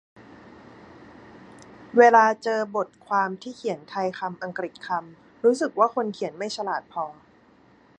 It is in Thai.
เวลาเจอบทความที่เขียนไทยคำอังกฤษคำ รู้สึกว่าคนเขียนฉลาดไม่พอ